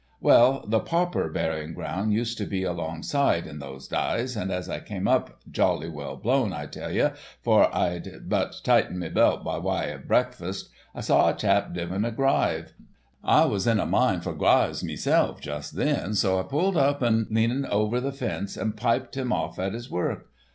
Well, the pauper burying ground used to be alongside in those dyes, and as I came up, jolly well blown, I tell ye, for I'd but tightened me belt by wye of breakfast, I saw a chap diggin' a gryve. I was in a mind for gryves meself just then, so I pulled up and leaned over the fence and piped him off at his work.